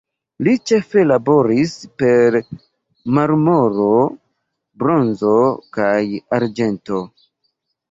Li ĉefe laboris per marmoro, bronzo kaj arĝento.